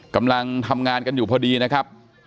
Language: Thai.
กำลังทำงานกันอยู่พอดีนะครับ